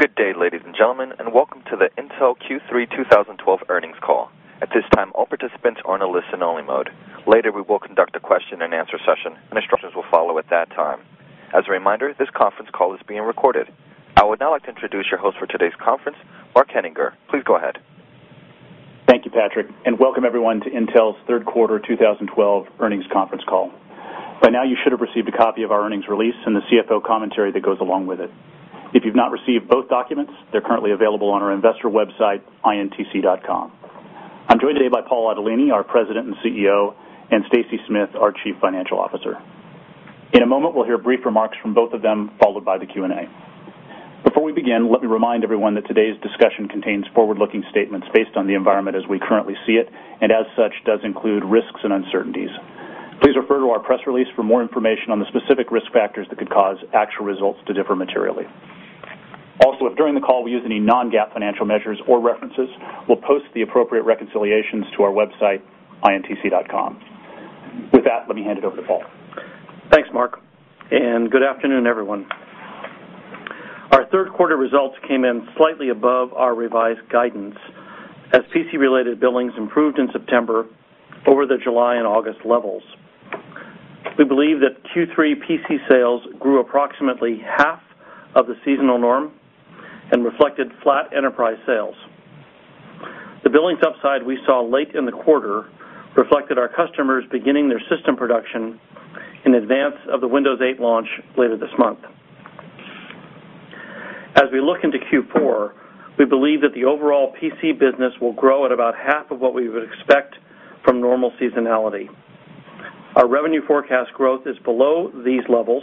Good day, ladies and gentlemen, welcome to the Intel Q3 2012 earnings call. At this time, all participants are in a listen-only mode. Later, we will conduct a question-and-answer session, and instructions will follow at that time. As a reminder, this conference call is being recorded. I would now like to introduce your host for today's conference, Mark Henninger. Please go ahead. Thank you, Patrick, and welcome everyone to Intel's third quarter 2012 earnings conference call. By now, you should have received a copy of our earnings release and the CFO commentary that goes along with it. If you've not received both documents, they're currently available on our investor website, intc.com. I'm joined today by Paul Otellini, our President and CEO, and Stacy Smith, our Chief Financial Officer. In a moment, we'll hear brief remarks from both of them, followed by the Q&A. Before we begin, let me remind everyone that today's discussion contains forward-looking statements based on the environment as we currently see it, and as such, does include risks and uncertainties. Please refer to our press release for more information on the specific risk factors that could cause actual results to differ materially. Also, if, during the call, we use any non-GAAP financial measures or references, we'll post the appropriate reconciliations to our website, intc.com. With that, let me hand it over to Paul. Thanks, Mark, and good afternoon, everyone. Our third quarter results came in slightly above our revised guidance as PC-related billings improved in September over the July and August levels. We believe that Q3 PC sales grew approximately half of the seasonal norm and reflected flat enterprise sales. The billings upside we saw late in the quarter reflected our customers beginning their system production in advance of the Windows 8 launch later this month. As we look into Q4, we believe that the overall PC business will grow at about half of what we would expect from normal seasonality. Our revenue forecast growth is below these levels,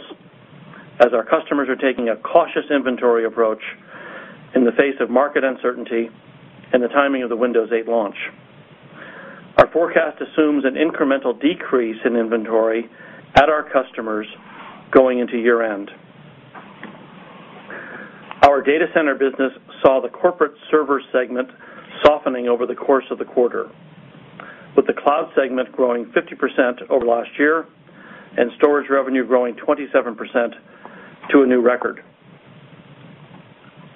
as our customers are taking a cautious inventory approach in the face of market uncertainty and the timing of the Windows 8 launch. Our forecast assumes an incremental decrease in inventory at our customers going into year-end. Our data center business saw the corporate server segment softening over the course of the quarter, with the cloud segment growing 50% over last year and storage revenue growing 27% to a new record.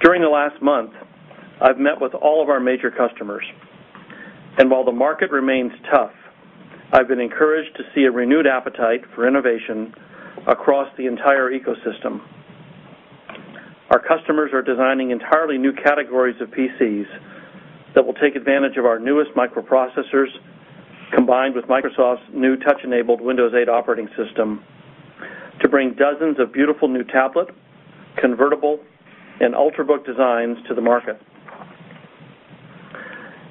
During the last month, I've met with all of our major customers, and while the market remains tough, I've been encouraged to see a renewed appetite for innovation across the entire ecosystem. Our customers are designing entirely new categories of PCs that will take advantage of our newest microprocessors, combined with Microsoft's new touch-enabled Windows 8 operating system, to bring dozens of beautiful new tablet, convertible, and Ultrabook designs to the market.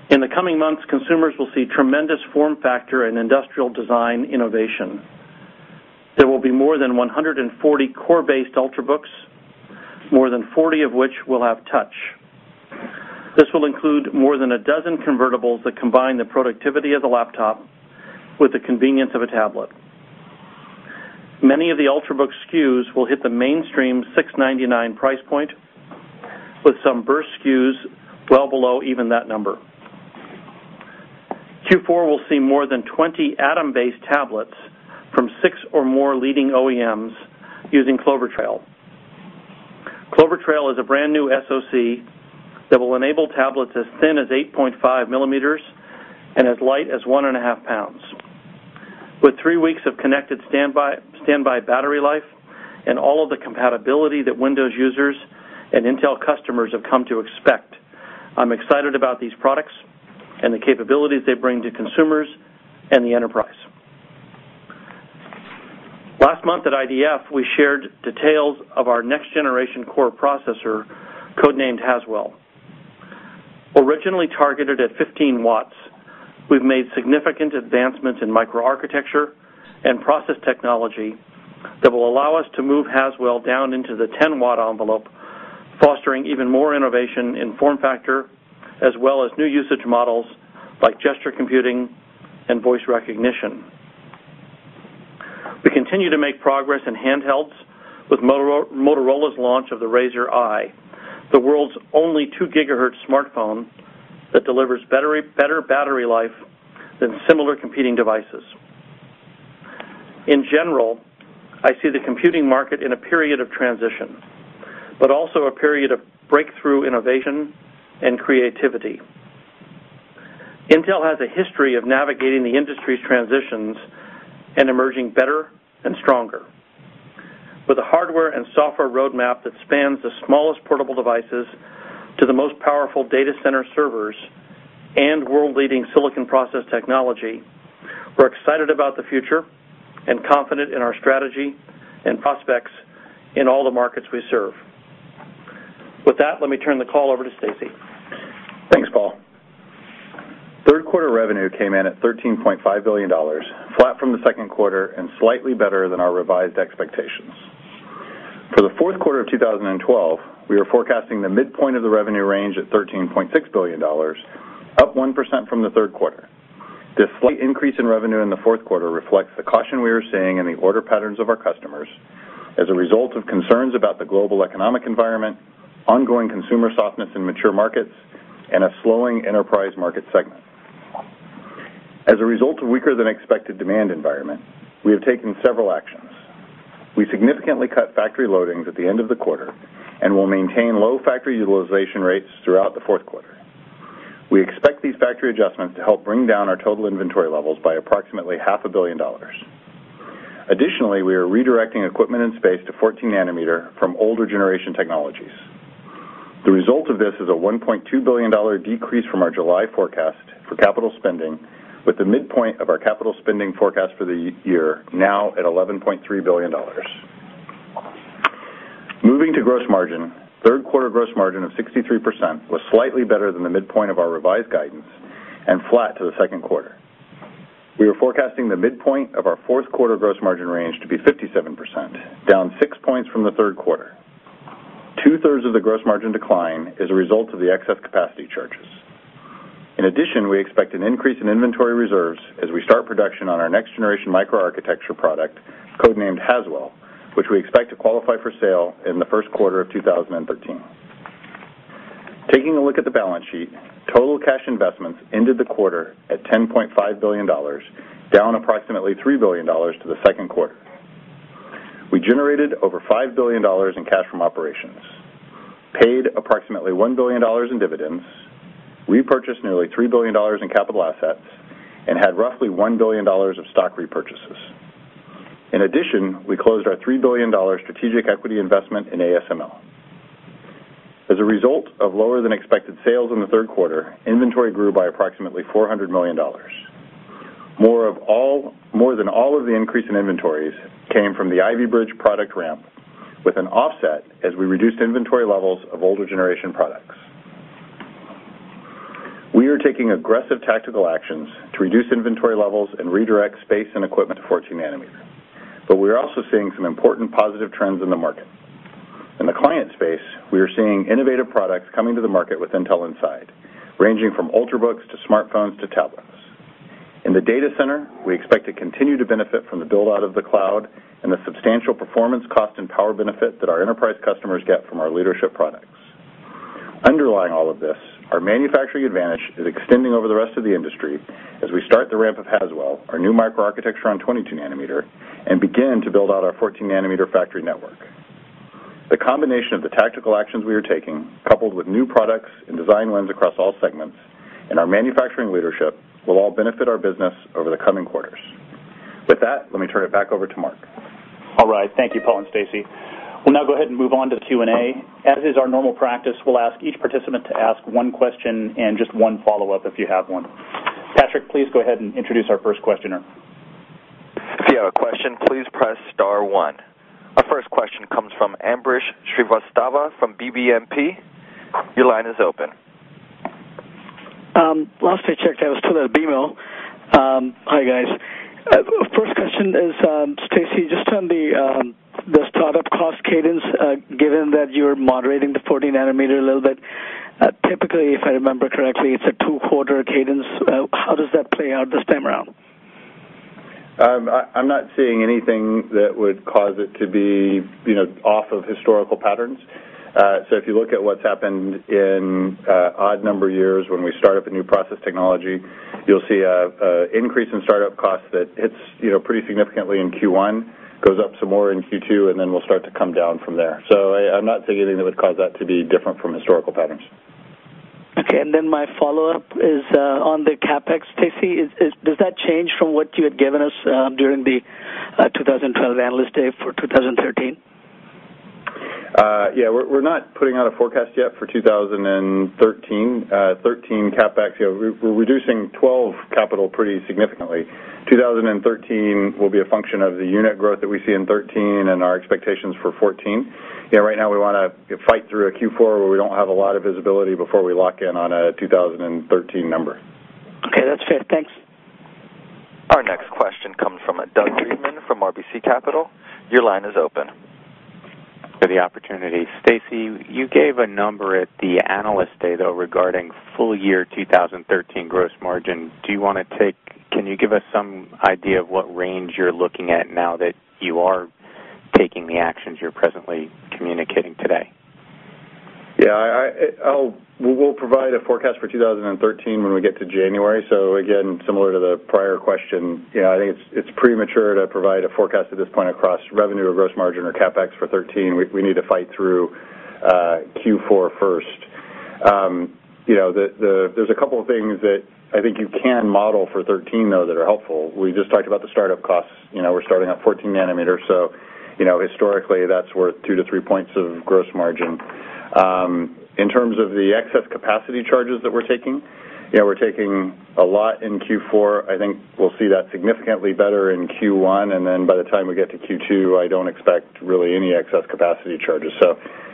In the coming months, consumers will see tremendous form factor and industrial design innovation. There will be more than 140 Core-based Ultrabooks, more than 40 of which will have touch. This will include more than a dozen convertibles that combine the productivity of the laptop with the convenience of a tablet. Many of the Ultrabook SKUs will hit the mainstream $699 price point, with some burst SKUs well below even that number. Q4 will see more than 20 Atom-based tablets from six or more leading OEMs using Clover Trail. Clover Trail is a brand-new SoC that will enable tablets as thin as 8.5 millimeters and as light as one and a half pounds, with three weeks of connected standby battery life and all of the compatibility that Windows users and Intel customers have come to expect. I'm excited about these products and the capabilities they bring to consumers and the enterprise. Last month at IDF, we shared details of our next-generation Core processor, codenamed Haswell. Originally targeted at 15 watts, we've made significant advancements in microarchitecture and process technology that will allow us to move Haswell down into the 10-watt envelope, fostering even more innovation in form factor, as well as new usage models like gesture computing and voice recognition. We continue to make progress in handhelds with Motorola's launch of the Razr i, the world's only two gigahertz smartphone that delivers better battery life than similar competing devices. In general, I see the computing market in a period of transition, but also a period of breakthrough innovation and creativity. Intel has a history of navigating the industry's transitions and emerging better and stronger. With a hardware and software roadmap that spans the smallest portable devices to the most powerful data center servers and world-leading silicon process technology, we're excited about the future and confident in our strategy and prospects in all the markets we serve. With that, let me turn the call over to Stacy. Thanks, Paul. Third quarter revenue came in at $13.5 billion, flat from the second quarter and slightly better than our revised expectations. For the fourth quarter of 2012, we are forecasting the midpoint of the revenue range at $13.6 billion, up 1% from the third quarter. This slight increase in revenue in the fourth quarter reflects the caution we are seeing in the order patterns of our customers as a result of concerns about the global economic environment, ongoing consumer softness in mature markets, and a slowing enterprise market segment. As a result of weaker than expected demand environment, we have taken several actions. We significantly cut factory loadings at the end of the quarter and will maintain low factory utilization rates throughout the fourth quarter. We expect these factory adjustments to help bring down our total inventory levels by approximately half a billion dollars. Additionally, we are redirecting equipment and space to 14 nanometer from older generation technologies. The result of this is a $1.2 billion decrease from our July forecast for capital spending, with the midpoint of our capital spending forecast for the year now at $11.3 billion. Moving to gross margin, third quarter gross margin of 63% was slightly better than the midpoint of our revised guidance and flat to the second quarter. We are forecasting the midpoint of our fourth quarter gross margin range to be 57%, down six points from the third quarter. Two-thirds of the gross margin decline is a result of the excess capacity charges. In addition, we expect an increase in inventory reserves as we start production on our next generation microarchitecture product, codenamed Haswell, which we expect to qualify for sale in the first quarter of 2013. Taking a look at the balance sheet, total cash investments ended the quarter at $10.5 billion, down approximately $3 billion to the second quarter. We generated over $5 billion in cash from operations, paid approximately $1 billion in dividends, repurchased nearly $3 billion in capital assets, and had roughly $1 billion of stock repurchases. In addition, we closed our $3 billion strategic equity investment in ASML. As a result of lower than expected sales in the third quarter, inventory grew by approximately $400 million. More than all of the increase in inventories came from the Ivy Bridge product ramp, with an offset as we reduced inventory levels of older generation products. We are taking aggressive tactical actions to reduce inventory levels and redirect space and equipment to 14 nanometer. We are also seeing some important positive trends in the market. In the client space, we are seeing innovative products coming to the market with Intel Inside, ranging from Ultrabooks to smartphones to tablets. In the data center, we expect to continue to benefit from the build-out of the cloud and the substantial performance, cost, and power benefit that our enterprise customers get from our leadership products. Underlying all of this, our manufacturing advantage is extending over the rest of the industry as we start the ramp of Haswell, our new microarchitecture on 22 nanometer, and begin to build out our 14 nanometer factory network. The combination of the tactical actions we are taking, coupled with new products and design wins across all segments, and our manufacturing leadership, will all benefit our business over the coming quarters. With that, let me turn it back over to Mark. All right. Thank you, Paul and Stacy. We'll now go ahead and move on to Q&A. As is our normal practice, we'll ask each participant to ask one question and just one follow-up if you have one. Patrick, please go ahead and introduce our first questioner. If you have a question, please press *1. Our first question comes from Ambrish Srivastava from BMO. Your line is open. Last I checked, I was still at BMO. Hi, guys. First question is, Stacy, just on the startup cost cadence, given that you're moderating the 14 nanometer a little bit, typically, if I remember correctly, it's a two-quarter cadence. How does that play out this time around? I'm not seeing anything that would cause it to be off of historical patterns. If you look at what's happened in odd-number years when we start up a new process technology, you'll see an increase in startup costs that hits pretty significantly in Q1, goes up some more in Q2, and will start to come down from there. I'm not seeing anything that would cause that to be different from historical patterns. Okay, my follow-up is on the CapEx, Stacy. Does that change from what you had given us during the 2012 Analyst Day for 2013? Yeah, we're not putting out a forecast yet for 2013 CapEx. We're reducing 2012 capital pretty significantly. 2013 will be a function of the unit growth that we see in 2013 and our expectations for 2014. Right now, we want to fight through a Q4 where we don't have a lot of visibility before we lock in on a 2013 number. Okay, that's fair. Thanks. Our next question comes from Doug Freedman from RBC Capital. Your line is open. For the opportunity. Stacy, you gave a number at the Analyst Day, though, regarding full year 2013 gross margin. Can you give us some idea of what range you're looking at now that you are taking the actions you're presently communicating today? Yeah. We'll provide a forecast for 2013 when we get to January. Again, similar to the prior question, I think it's premature to provide a forecast at this point across revenue or gross margin or CapEx for 2013. We need to fight through Q4 first. There's a couple of things that I think you can model for 2013, though, that are helpful. We just talked about the startup costs. We're starting at 14 nanometer, so historically, that's worth two to three points of gross margin. In terms of the excess capacity charges that we're taking, we're taking a lot in Q4. I think we'll see that significantly better in Q1, and then by the time we get to Q2, I don't expect really any excess capacity charges.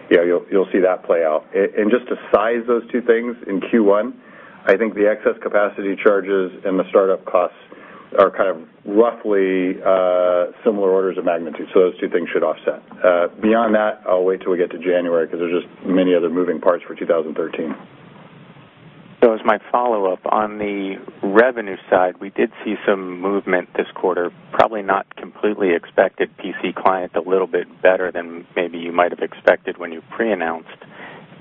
You'll see that play out. Just to size those two things, in Q1, I think the excess capacity charges and the startup costs are roughly similar orders of magnitude, so those two things should offset. Beyond that, I'll wait till we get to January because there's just many other moving parts for 2013. As my follow-up, on the revenue side, we did see some movement this quarter, probably not completely expected. PC client a little bit better than maybe you might have expected when you pre-announced.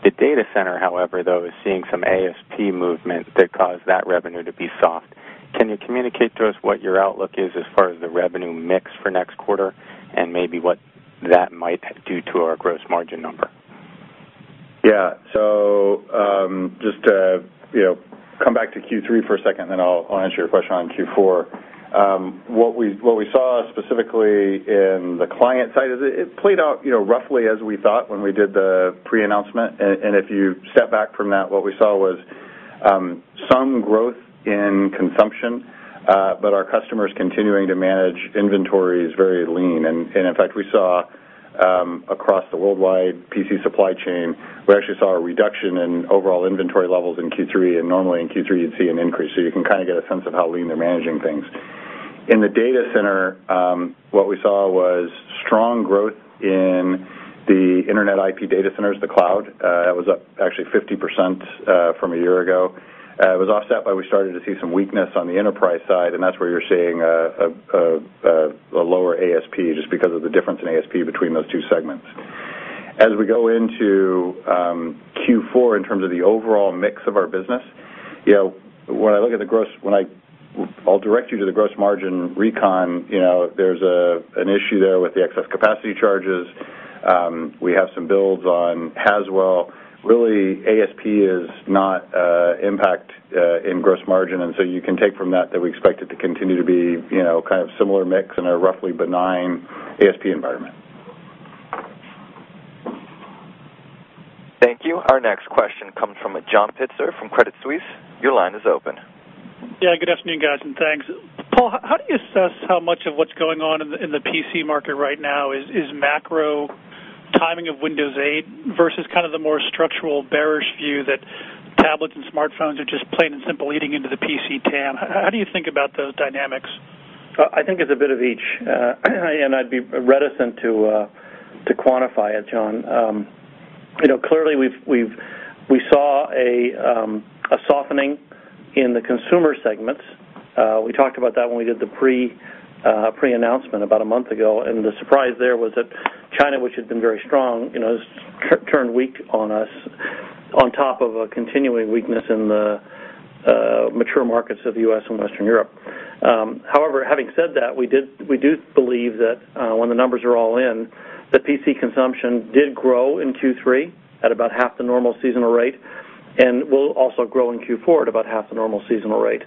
The data center, however, though, is seeing some ASP movement that caused that revenue to be soft. Can you communicate to us what your outlook is as far as the revenue mix for next quarter, and maybe what that might do to our gross margin number? Yeah. Just to come back to Q3 for a second, I'll answer your question on Q4. What we saw specifically in the client side is it played out roughly as we thought when we did the pre-announcement. If you step back from that, what we saw was some growth in consumption, our customers continuing to manage inventories very lean. In fact, we saw across the worldwide PC supply chain, we actually saw a reduction in overall inventory levels in Q3, and normally in Q3, you'd see an increase. You can kind of get a sense of how lean they're managing things. In the data center, what we saw was strong growth in the internet IP data centers, the cloud, that was up actually 50% from a year ago. We started to see some weakness on the enterprise side, and that's where you're seeing a lower ASP, just because of the difference in ASP between those two segments. As we go into Q4, in terms of the overall mix of our business, I'll direct you to the gross margin recon. There's an issue there with the excess capacity charges. We have some builds on Haswell. Really, ASP is not impact in gross margin, you can take from that we expect it to continue to be kind of similar mix in a roughly benign ASP environment. Thank you. Our next question comes from John Pitzer from Credit Suisse. Your line is open. Good afternoon, guys, and thanks. Paul, how do you assess how much of what's going on in the PC market right now is macro timing of Windows 8 versus kind of the more structural bearish view that tablets and smartphones are just plain and simple eating into the PC TAM? How do you think about those dynamics? I think it's a bit of each, I'd be reticent to quantify it, John. Clearly, we saw a softening in the consumer segments. We talked about that when we did the pre-announcement about a month ago, the surprise there was that China, which had been very strong, has turned weak on us, on top of a continuing weakness in the mature markets of the U.S. and Western Europe. Having said that, we do believe that when the numbers are all in, that PC consumption did grow in Q3 at about half the normal seasonal rate, and will also grow in Q4 at about half the normal seasonal rate.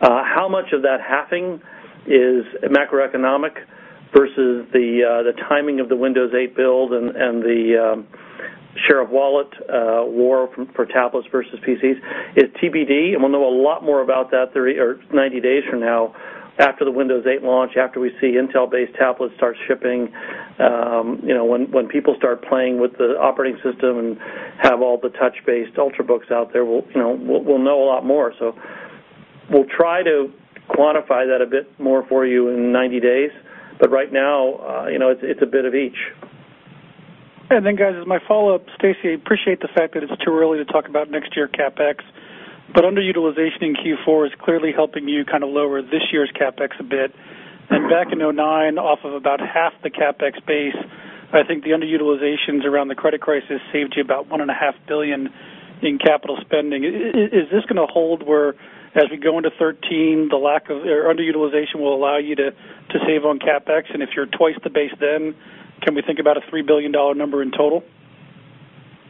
How much of that halving is macroeconomic versus the timing of the Windows 8 build and the share of wallet war for tablets versus PCs is TBD. We'll know a lot more about that 90 days from now after the Windows 8 launch, after we see Intel-based tablets start shipping. When people start playing with the operating system and have all the touch-based Ultrabooks out there, we'll know a lot more. We'll try to quantify that a bit more for you in 90 days, but right now, it's a bit of each. Guys, as my follow-up, Stacy, appreciate the fact that it's too early to talk about next year CapEx, but underutilization in Q4 is clearly helping you kind of lower this year's CapEx a bit. Back in 2009, off of about half the CapEx base, I think the underutilizations around the credit crisis saved you about one and a half billion in capital spending. Is this going to hold where as we go into 2013, the underutilization will allow you to save on CapEx? If you're twice the base then, can we think about a $3 billion number in total?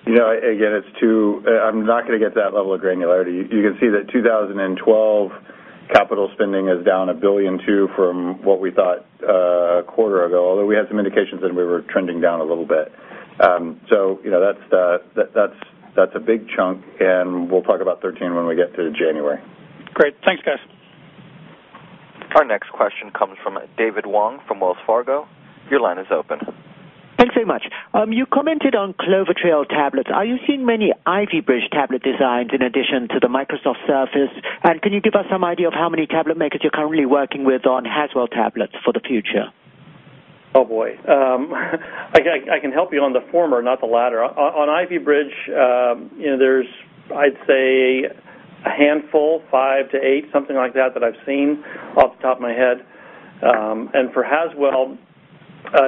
I'm not going to get that level of granularity. You can see that 2012 capital spending is down $1.2 billion from what we thought a quarter ago, although we had some indications that we were trending down a little bit. That's a big chunk, and we'll talk about 2013 when we get to January. Great. Thanks, guys. Our next question comes from David Wong from Wells Fargo. Your line is open. Thanks very much. You commented on Clover Trail tablets. Are you seeing many Ivy Bridge tablet designs in addition to the Microsoft Surface? Can you give us some idea of how many tablet makers you're currently working with on Haswell tablets for the future? Oh, boy. I can help you on the former, not the latter. On Ivy Bridge, there's, I'd say, a handful, five to eight, something like that I've seen off the top of my head. For Haswell,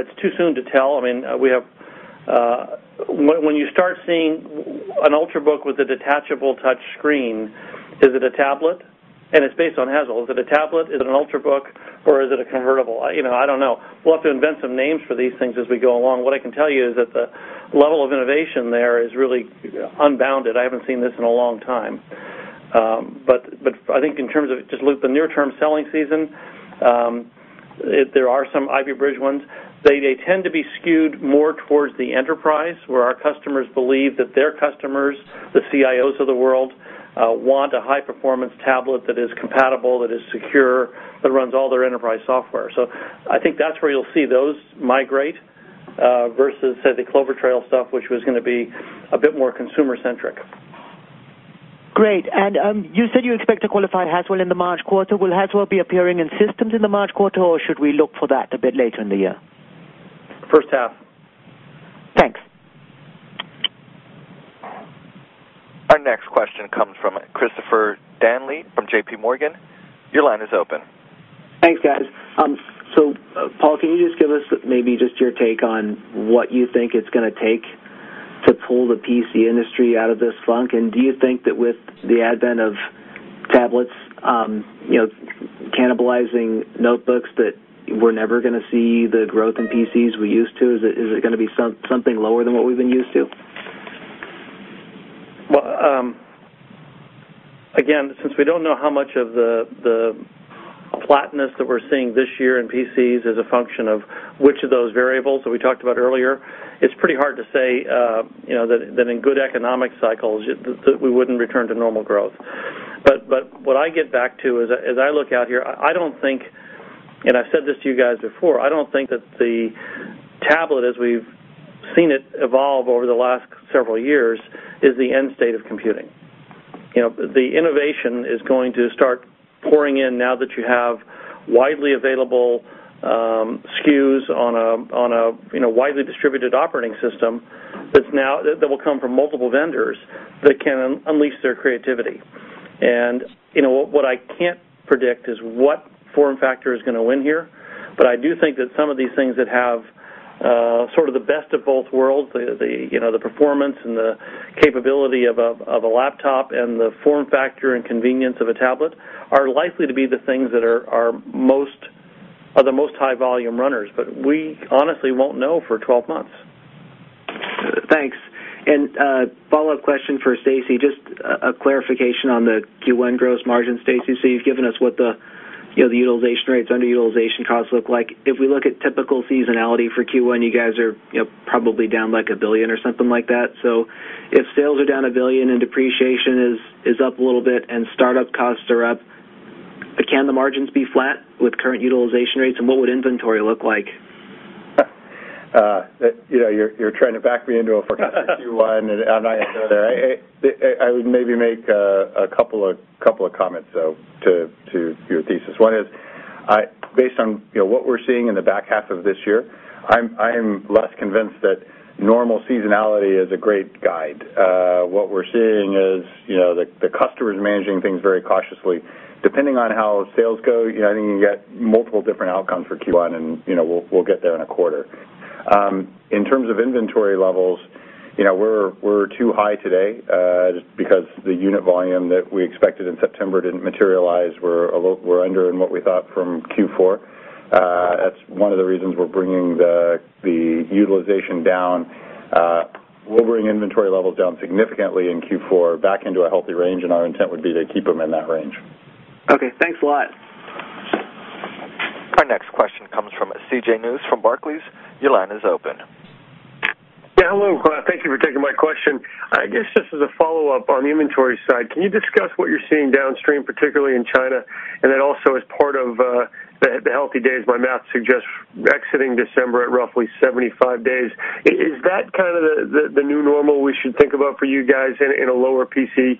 it's too soon to tell. When you start seeing an Ultrabook with a detachable touch screen, is it a tablet? It's based on Haswell. Is it a tablet, is it an Ultrabook, or is it a convertible? I don't know. We'll have to invent some names for these things as we go along. What I can tell you is that the level of innovation there is really unbounded. I haven't seen this in a long time. I think in terms of just the near-term selling season, there are some Ivy Bridge ones. They tend to be skewed more towards the enterprise, where our customers believe that their customers, the CIOs of the world, want a high-performance tablet that is compatible, that is secure, that runs all their enterprise software. I think that's where you'll see those migrate, versus, say, the Clover Trail stuff, which was going to be a bit more consumer-centric. Great. You said you expect to qualify Haswell in the March quarter. Will Haswell be appearing in systems in the March quarter, or should we look for that a bit later in the year? First half. Thanks. Our next question comes from Dan Lee from JP Morgan, your line is open. Thanks, guys. Paul, can you just give us maybe just your take on what you think it's going to take to pull the PC industry out of this funk? Do you think that with the advent of tablets cannibalizing notebooks, that we're never going to see the growth in PCs we used to? Is it going to be something lower than what we've been used to? Well, again, since we don't know how much of the flatness that we're seeing this year in PCs is a function of which of those variables that we talked about earlier, it's pretty hard to say that in good economic cycles, that we wouldn't return to normal growth. What I get back to is, as I look out here, and I've said this to you guys before, I don't think that the tablet, as we've seen it evolve over the last several years, is the end state of computing. The innovation is going to start pouring in now that you have widely available SKUs on a widely distributed operating system, that will come from multiple vendors that can unleash their creativity. What I can't predict is what form factor is going to win here, but I do think that some of these things that have sort of the best of both worlds, the performance and the capability of a laptop and the form factor and convenience of a tablet, are likely to be the things that are the most high-volume runners. We honestly won't know for 12 months. Thanks. A follow-up question for Stacy, just a clarification on the Q1 gross margin, Stacy. You've given us what the utilization rates, underutilization costs look like. If we look at typical seasonality for Q1, you guys are probably down like $1 billion or something like that. If sales are down $1 billion and depreciation is up a little bit and startup costs are up, can the margins be flat with current utilization rates, and what would inventory look like? You're trying to back me into a forecast of Q1, and I'm not going to go there. I would maybe make a couple of comments, though, to your thesis. One is, based on what we're seeing in the back half of this year, I am less convinced that normal seasonality is a great guide. What we're seeing is the customers managing things very cautiously. Depending on how sales go, I think you can get multiple different outcomes for Q1, and we'll get there in a quarter. In terms of inventory levels, we're too high today, because the unit volume that we expected in September didn't materialize. We're under in what we thought from Q4. That's one of the reasons we're bringing the utilization down. We'll bring inventory levels down significantly in Q4, back into a healthy range, and our intent would be to keep them in that range. Okay, thanks a lot. Our next question comes from C.J. Muse from Barclays. Your line is open. Yeah, hello. Thank you for taking my question. I guess just as a follow-up on the inventory side, can you discuss what you're seeing downstream, particularly in China? Also as part of the healthy days, my math suggests exiting December at roughly 75 days. Is that kind of the new normal we should think about for you guys in a lower PC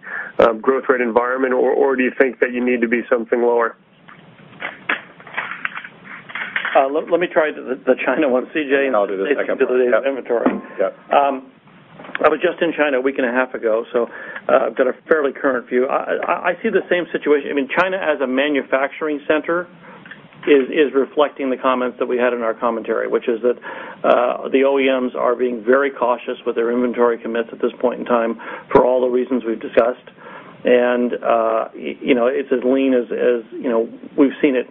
growth rate environment, or do you think that you need to be something lower? Let me try the China one, C.J. I'll do the second one. Stacy can do the inventory. Yeah. I was just in China a week and a half ago, so I've got a fairly current view. I see the same situation. China, as a manufacturing center, is reflecting the comments that we had in our commentary, which is that the OEMs are being very cautious with their inventory commits at this point in time, for all the reasons we've discussed. It's as lean as we've seen it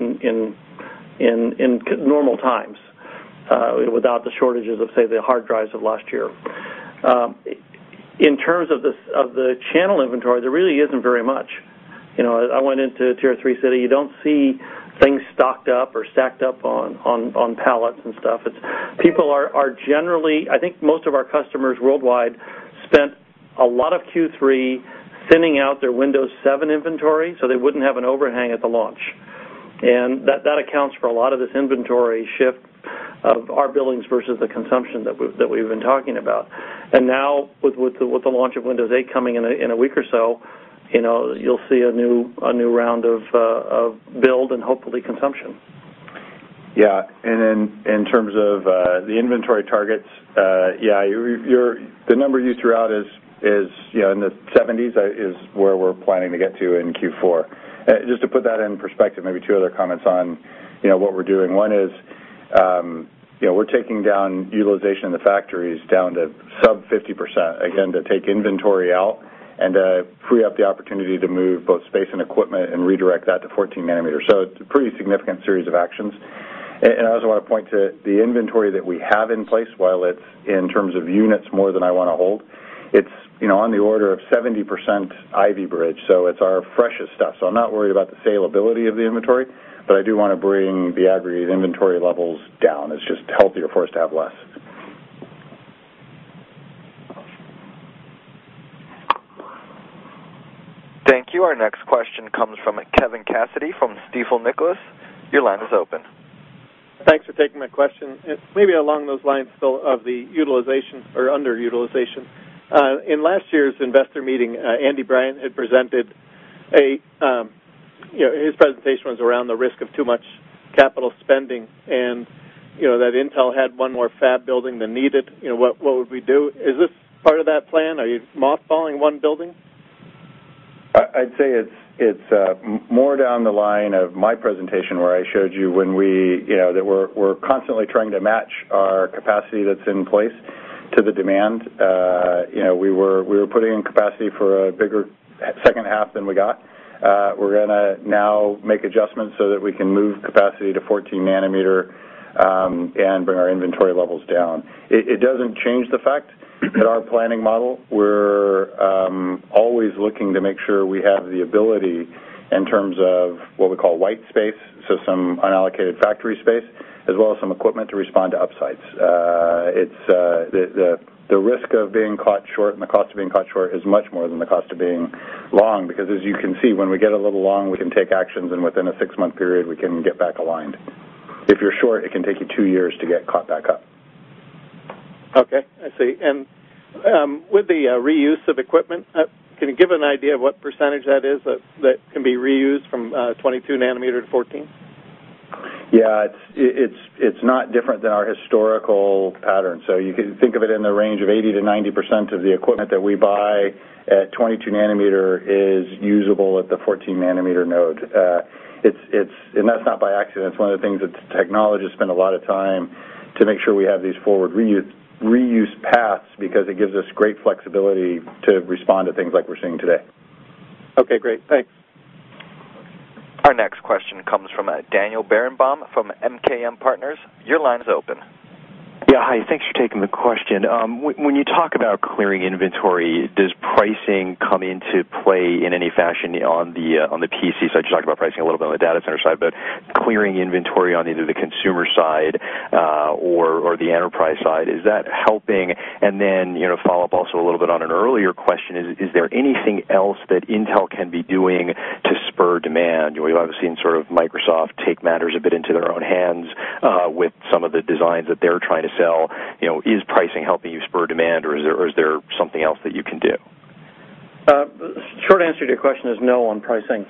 in normal times, without the shortages of, say, the hard drives of last year. In terms of the channel inventory, there really isn't very much. I went into a tier 3 city. You don't see things stocked up or stacked up on pallets and stuff. I think most of our customers worldwide spent a lot of Q3 thinning out their Windows 7 inventory, so they wouldn't have an overhang at the launch. That accounts for a lot of this inventory shift of our billings versus the consumption that we've been talking about. Now, with the launch of Windows 8 coming in a week or so, you'll see a new round of build and hopefully consumption. Yeah. In terms of the inventory targets, yeah, the number you threw out, in the 70s, is where we're planning to get to in Q4. Just to put that in perspective, maybe two other comments on what we're doing. One is, we're taking down utilization in the factories down to sub 50%, again, to take inventory out and to free up the opportunity to move both space and equipment and redirect that to 14 nanometer. It's a pretty significant series of actions. I also want to point to the inventory that we have in place, while it's, in terms of units, more than I want to hold, it's on the order of 70% Ivy Bridge, so it's our freshest stuff. I'm not worried about the saleability of the inventory, but I do want to bring the aggregate inventory levels down. It's just healthier for us to have less. Thank you. Our next question comes from Kevin Cassidy from Stifel Nicolaus. Your line is open. Thanks for taking my question. Maybe along those lines, still, of the utilization or underutilization. In last year's investor meeting, Andy Bryant had presented. His presentation was around the risk of too much capital spending, and that Intel had one more fab building than needed. What would we do? Is this part of that plan? Are you mothballing one building? I'd say it's more down the line of my presentation where I showed you that we're constantly trying to match our capacity that's in place to the demand. We were putting in capacity for a bigger second half than we got. We're going to now make adjustments so that we can move capacity to 14 nanometer, and bring our inventory levels down. It doesn't change the fact that our planning model, we're always looking to make sure we have the ability in terms of what we call white space, so some unallocated factory space, as well as some equipment to respond to upsides. The risk of being caught short, and the cost of being caught short, is much more than the cost of being long, because as you can see, when we get a little long, we can take actions, and within a six-month period, we can get back aligned. If you're short, it can take you two years to get caught back up. Okay. I see. With the reuse of equipment, can you give an idea of what % that is, that can be reused from 22 nanometer to 14? Yeah. It's not different than our historical pattern. You can think of it in the range of 80%-90% of the equipment that we buy at 22 nanometer is usable at the 14 nanometer node. That's not by accident. It's one of the things that the technologists spend a lot of time to make sure we have these forward reuse paths, because it gives us great flexibility to respond to things like we're seeing today. Okay, great. Thanks. Our next question comes from Daniel Berenbaum from MKM Partners. Your line is open. Yeah. Hi. Thanks for taking the question. When you talk about clearing inventory, does pricing come into play in any fashion on the PC side? You talked about pricing a little bit on the data center side, but clearing inventory on either the consumer side or the enterprise side, is that helping? Follow-up, also, a little bit on an earlier question, is there anything else that Intel can be doing to spur demand? We've obviously seen Microsoft take matters a bit into their own hands with some of the designs that they're trying to sell. Is pricing helping you spur demand, or is there something else that you can do? The short answer to your question is no on pricing.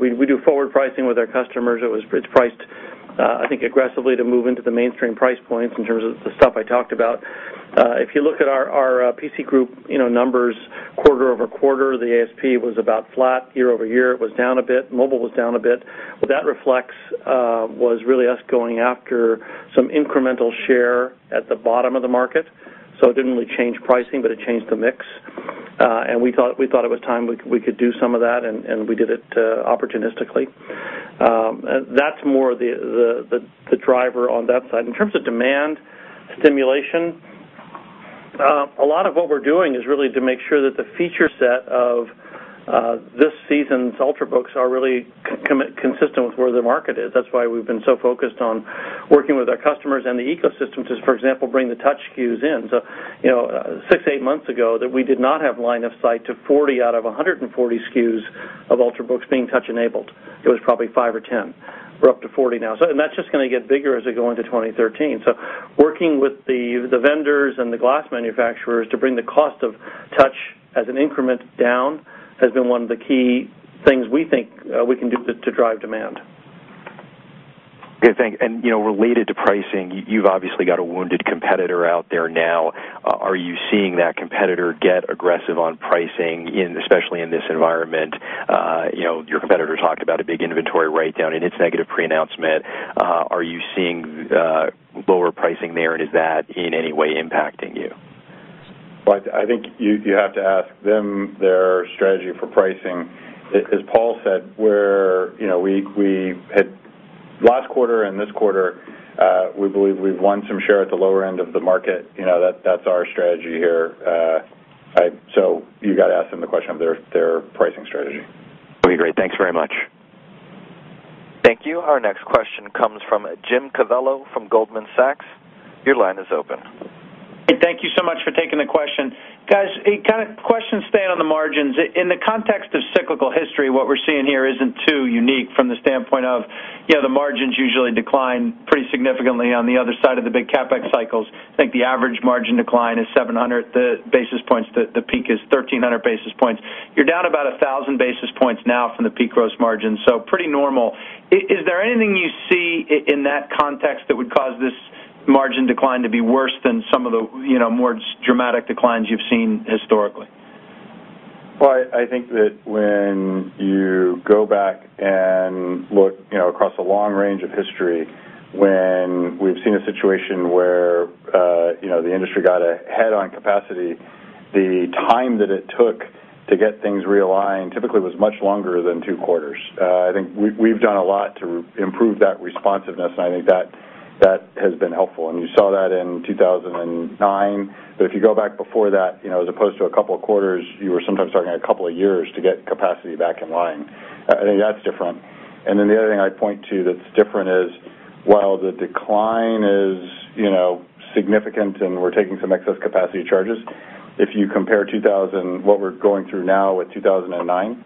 We do forward pricing with our customers. It's priced, I think, aggressively to move into the mainstream price points in terms of the stuff I talked about. If you look at our PC group numbers quarter-over-quarter, the ASP was about flat year-over-year. It was down a bit. Mobile was down a bit. What that reflects was really us going after some incremental share at the bottom of the market. It didn't really change pricing, but it changed the mix. We thought it was time we could do some of that, and we did it opportunistically. That's more the driver on that side. In terms of demand stimulation, a lot of what we're doing is really to make sure that the feature set of this season's Ultrabooks are really consistent with where the market is. That's why we've been so focused on working with our customers and the ecosystems to, for example, bring the touch SKUs in. Six, eight months ago, we did not have line of sight to 40 out of 140 SKUs of Ultrabooks being touch-enabled. It was probably five or 10. We're up to 40 now. That's just going to get bigger as we go into 2013. Working with the vendors and the glass manufacturers to bring the cost of touch as an increment down has been one of the key things we think we can do to drive demand. Okay, thanks. Related to pricing, you've obviously got a wounded competitor out there now. Are you seeing that competitor get aggressive on pricing, especially in this environment? Your competitor talked about a big inventory write-down in its negative pre-announcement. Are you seeing lower pricing there, and is that in any way impacting you? I think you have to ask them their strategy for pricing. As Paul said, last quarter and this quarter, we believe we've won some share at the lower end of the market. That's our strategy here. You got to ask them the question of their pricing strategy. Okay, great. Thanks very much. Thank you. Our next question comes from Jim Covello from Goldman Sachs. Your line is open. Thank you so much for taking the question. Guys, a question staying on the margins. In the context of cyclical history, what we're seeing here isn't too unique from the standpoint of the margins usually decline pretty significantly on the other side of the big CapEx cycles. I think the average margin decline is 700 basis points. The peak is 1,300 basis points. You're down about 1,000 basis points now from the peak gross margin, so pretty normal. Is there anything you see in that context that would cause this margin decline to be worse than some of the more dramatic declines you've seen historically? I think that when you go back and look across a long range of history, when we've seen a situation where the industry got ahead on capacity, the time that it took to get things realigned typically was much longer than two quarters. I think we've done a lot to improve that responsiveness, and I think that has been helpful, and you saw that in 2009. If you go back before that, as opposed to a couple of quarters, you were sometimes talking a couple of years to get capacity back in line. I think that's different. The other thing I'd point to that's different is, while the decline is significant and we're taking some excess capacity charges, if you compare what we're going through now with 2009.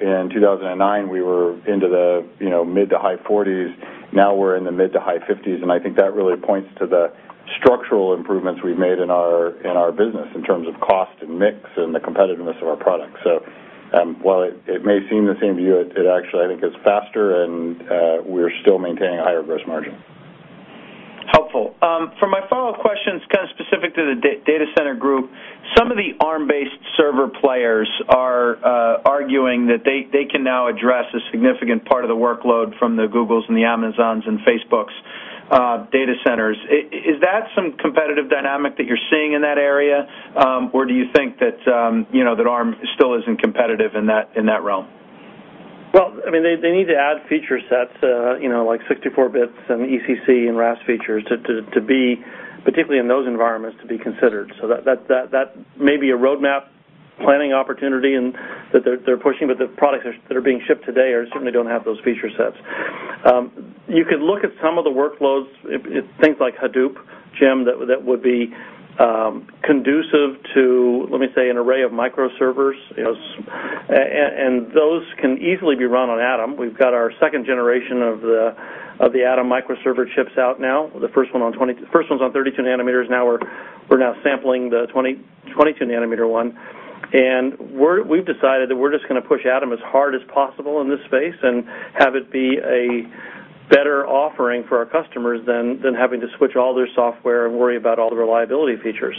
In 2009, we were into the mid to high 40s, now we're in the mid to high 50s, and I think that really points to the structural improvements we've made in our business in terms of cost and mix and the competitiveness of our products. While it may seem the same to you, it actually, I think, is faster and we're still maintaining a higher gross margin. Helpful. For my follow-up questions, kind of specific to the data center group, some of the Arm-based server players are arguing that they can now address a significant part of the workload from the Googles and the Amazons and Facebook's data centers. Is that some competitive dynamic that you're seeing in that area? Or do you think that Arm still isn't competitive in that realm? They need to add feature sets, like 64 bits and ECC and RAS features, particularly in those environments, to be considered. That may be a roadmap planning opportunity that they're pushing, but the products that are being shipped today certainly don't have those feature sets. You could look at some of the workloads, things like Hadoop, Jim, that would be conducive to, let me say, an array of microservers, and those can easily be run on Atom. We've got our second generation of the Atom microserver chips out now. The first one's on 32 nanometers, now we're now sampling the 22 nanometer one. We've decided that we're just going to push Atom as hard as possible in this space and have it be a better offering for our customers than having to switch all their software and worry about all the reliability features.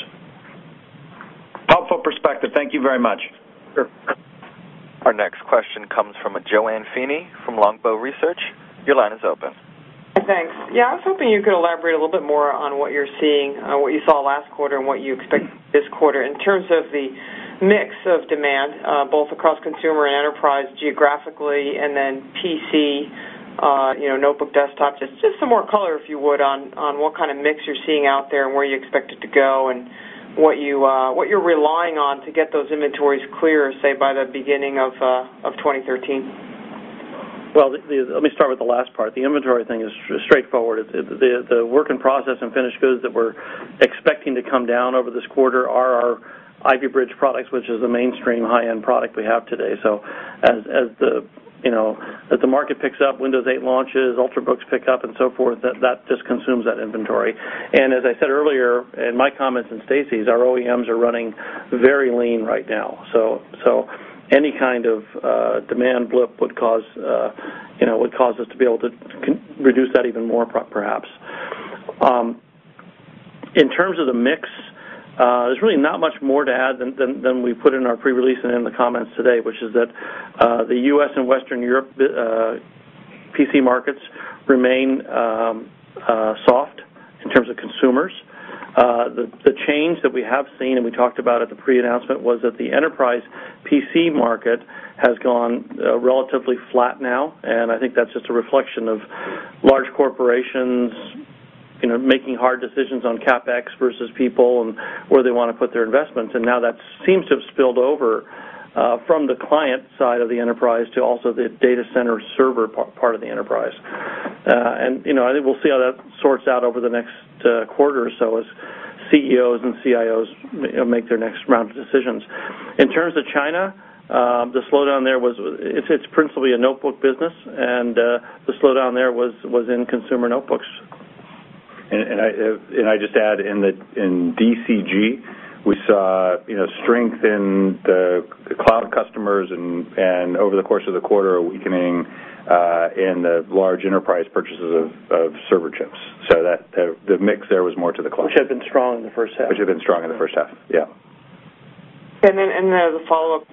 Helpful perspective. Thank you very much. Sure. Our next question comes from JoAnne Feeney from Longbow Research. Your line is open. Thanks. Yeah, I was hoping you could elaborate a little bit more on what you saw last quarter and what you expect this quarter in terms of the mix of demand, both across consumer and enterprise geographically, then PC, notebook, desktops. Just some more color, if you would, on what kind of mix you're seeing out there and where you expect it to go and what you're relying on to get those inventories clear, say by the beginning of 2013. Well, let me start with the last part. The inventory thing is straightforward. The work in process and finished goods that we're expecting to come down over this quarter are our Ivy Bridge products, which is the mainstream high-end product we have today. As the market picks up, Windows 8 launches, Ultrabooks pick up, so forth, that just consumes that inventory. As I said earlier, in my comments and Stacy's, our OEMs are running very lean right now. Any kind of demand blip would cause us to be able to reduce that even more, perhaps. In terms of the mix, there's really not much more to add than we put in our pre-release and in the comments today, which is that the U.S. and Western Europe PC markets remain soft in terms of consumers. The change that we have seen, we talked about at the pre-announcement, was that the enterprise PC market has gone relatively flat now, I think that's just a reflection of large corporations making hard decisions on CapEx versus people and where they want to put their investments. Now that seems to have spilled over from the client side of the enterprise to also the data center server part of the enterprise. I think we'll see how that sorts out over the next quarter or so as CEOs and CIOs make their next round of decisions. In terms of China, it's principally a notebook business, the slowdown there was in consumer notebooks. I just add in DCG, we saw strength in the cloud customers and over the course of the quarter, a weakening in the large enterprise purchases of server chips. The mix there was more to the cloud. Which had been strong in the first half. Which had been strong in the first half, yeah. as a follow-up,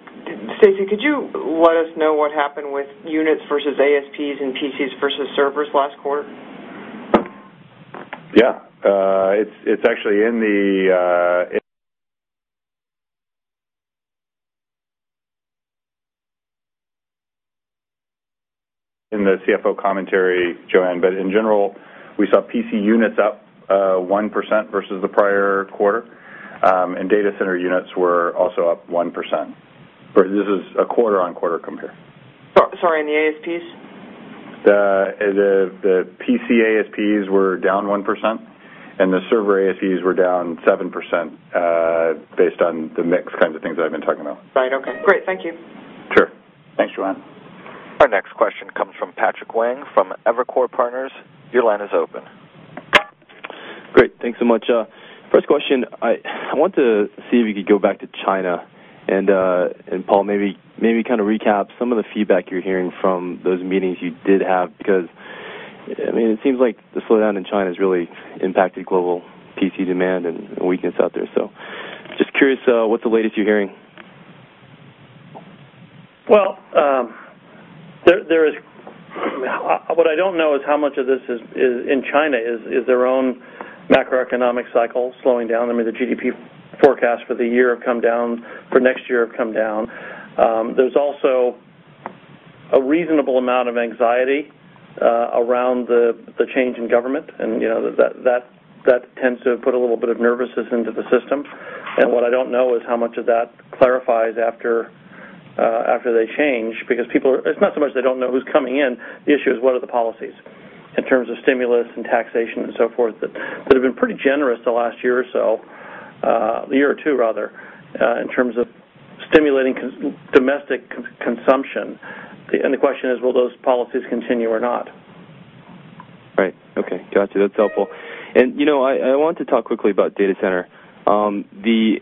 Stacy, could you let us know what happened with units versus ASPs and PCs versus servers last quarter? It's actually in the CFO commentary, JoAnne. In general, we saw PC units up 1% versus the prior quarter, and data center units were also up 1%. This is a quarter-over-quarter compare. Sorry, the ASPs? The PC ASPs were down 1%, and the server ASPs were down 7% based on the mix, kinds of things that I've been talking about. Right. Okay, great. Thank you. Sure. Thanks, JoAnne. Our next question comes from Patrick Wang from Evercore Partners. Your line is open. Great. Thanks so much. First question, I want to see if you could go back to China and, Paul, maybe kind of recap some of the feedback you're hearing from those meetings you did have, because it seems like the slowdown in China has really impacted global PC demand and weakness out there. Just curious, what's the latest you're hearing? Well, what I don't know is how much of this in China is their own macroeconomic cycle slowing down. I mean, the GDP forecast for next year have come down. There's also a reasonable amount of anxiety around the change in government, that tends to put a little bit of nervousness into the system. What I don't know is how much of that clarifies after they change, because it's not so much they don't know who's coming in, the issue is what are the policies in terms of stimulus and taxation and so forth, that have been pretty generous the last year or so. A year or two rather, in terms of stimulating domestic consumption. The question is, will those policies continue or not? Right. Okay. Got you. That's helpful. I want to talk quickly about data center. The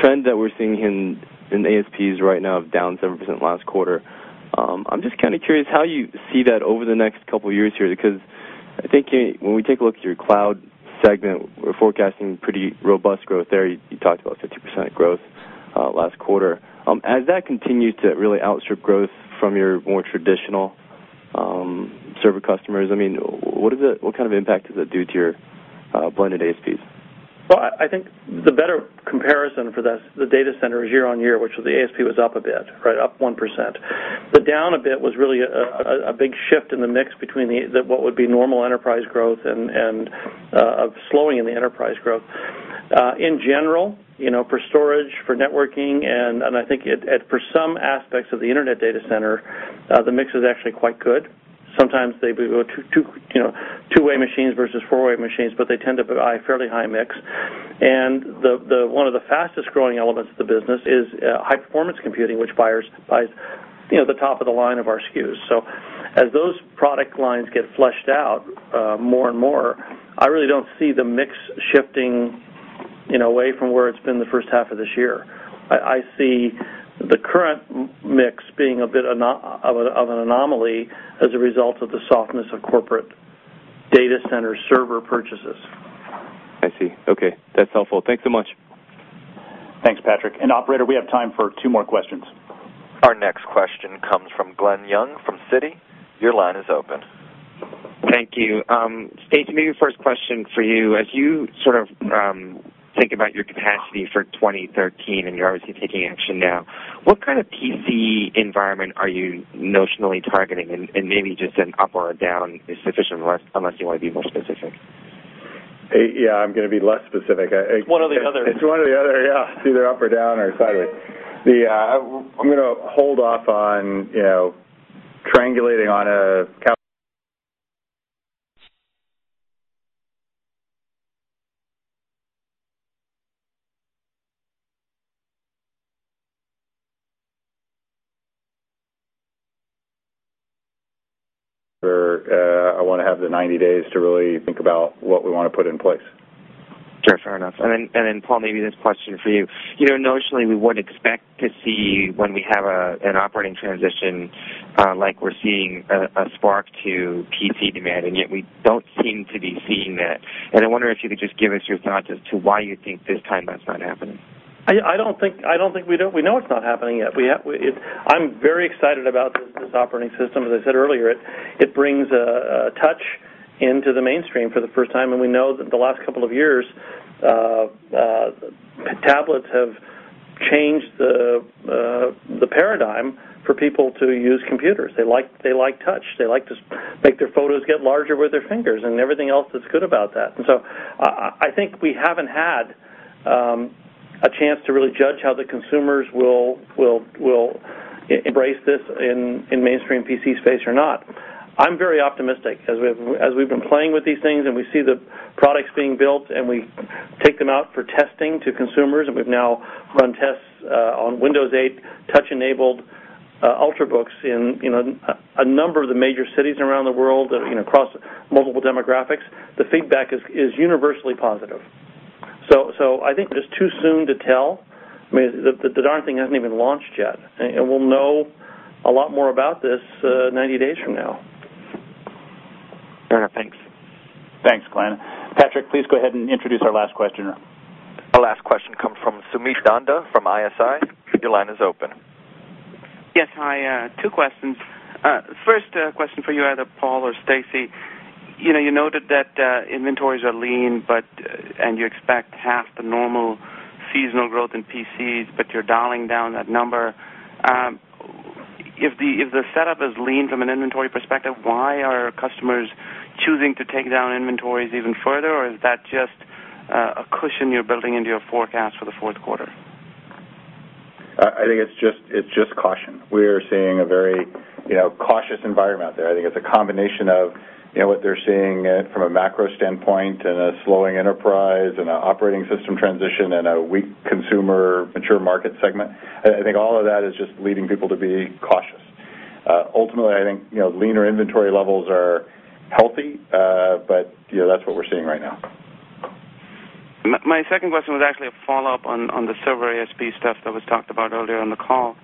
trend that we're seeing in ASPs right now of down 7% last quarter, I'm just kind of curious how you see that over the next couple of years here, because I think when we take a look at your cloud segment, we're forecasting pretty robust growth there. You talked about 50% growth last quarter. As that continues to really outstrip growth from your more traditional server customers, what kind of impact does it do to your blended ASPs? Well, I think the better comparison for this, the data center is year-over-year, which was the ASP was up a bit, right, up 1%. The down a bit was really a big shift in the mix between what would be normal enterprise growth and of slowing in the enterprise growth. In general, for storage, for networking, for some aspects of the internet data center, the mix is actually quite good. Sometimes they go 2-way machines versus 4-way machines, but they tend to buy fairly high mix. One of the fastest-growing elements of the business is high-performance computing, which buyers buy the top of the line of our SKUs. As those product lines get fleshed out more and more, I really don't see the mix shifting away from where it's been the first half of this year. I see the current mix being a bit of an anomaly as a result of the softness of corporate data center server purchases. I see. Okay, that's helpful. Thanks so much. Thanks, Patrick. Operator, we have time for two more questions. Our next question comes from Glen Yeung from Citi. Your line is open. Thank you. Stacy, maybe the first question for you. As you sort of think about your capacity for 2013, and you're obviously taking action now, what kind of PC environment are you notionally targeting? Maybe just an up or a down is sufficient, unless you want to be more specific. Yeah, I'm going to be less specific. It's one or the other. It's one or the other, yeah. It's either up or down or sideways. I'm going to hold off on triangulating on I want to have the 90 days to really think about what we want to put in place. Sure, fair enough. Then, Paul, maybe this question for you. Notionally, we would expect to see when we have an operating transition like we're seeing a spark to PC demand, yet we don't seem to be seeing that. I wonder if you could just give us your thoughts as to why you think this time that's not happening. I don't think we know it's not happening yet. I'm very excited about this operating system. As I said earlier, it brings touch into the mainstream for the first time. We know that the last couple of years, tablets have changed the paradigm for people to use computers. They like touch. They like to make their photos get larger with their fingers and everything else that's good about that. I think we haven't had a chance to really judge how the consumers will embrace this in mainstream PC space or not. I'm very optimistic as we've been playing with these things and we see the products being built and we take them out for testing to consumers. We've now run tests on Windows 8 touch-enabled Ultrabooks in a number of the major cities around the world, across multiple demographics. The feedback is universally positive. I think it is too soon to tell. I mean, the darn thing hasn't even launched yet. We'll know a lot more about this 90 days from now. Fair enough. Thanks. Thanks, Glen. Patrick, please go ahead and introduce our last questioner. Our last question comes from Sumit Dhanda from ISI. Your line is open. Yes. Hi. Two questions. First question for you, either Paul or Stacy. You noted that inventories are lean, and you expect half the normal seasonal growth in PCs, but you're dialing down that number. If the setup is lean from an inventory perspective, why are customers choosing to take down inventories even further? Or is that just a cushion you're building into your forecast for the fourth quarter? I think it's just caution. We're seeing a very cautious environment out there. I think it's a combination of what they're seeing from a macro standpoint and a slowing enterprise and an operating system transition and a weak consumer mature market segment. I think all of that is just leading people to be cautious. Ultimately, I think leaner inventory levels are healthy, but that's what we're seeing right now. My second question was actually a follow-up on the server ASP stuff that was talked about earlier on the call.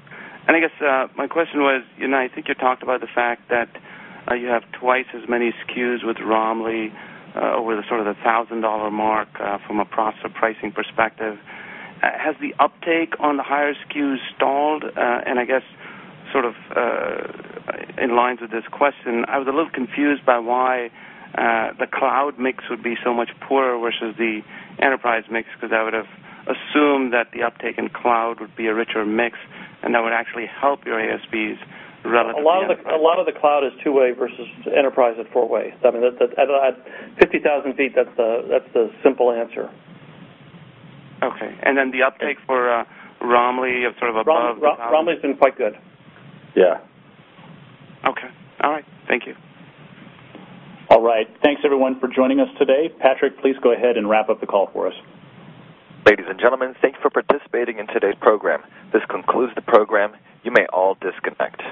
I guess my question was, I think you talked about the fact that you have twice as many SKUs with Romley over the sort of the $1,000 mark from a pricing perspective. Has the uptake on the higher SKUs stalled? I guess sort of in line with this question, I was a little confused by why the cloud mix would be so much poorer versus the enterprise mix, because I would have assumed that the uptake in cloud would be a richer mix, and that would actually help your ASPs. A lot of the cloud is two-way versus enterprise is four-way. I mean, at 50,000 feet, that's the simple answer. Okay. The uptake for Romley of sort of above- Romley's been quite good. Yeah. Okay. All right. Thank you. All right. Thanks everyone for joining us today. Patrick, please go ahead and wrap up the call for us. Ladies and gentlemen, thank you for participating in today's program. This concludes the program. You may all disconnect.